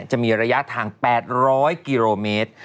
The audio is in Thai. จะมีระยะทาง๘๐๐กิโลเมตร